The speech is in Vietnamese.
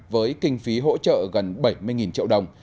với kinh phí hỗ trợ gần bảy mươi triệu đồng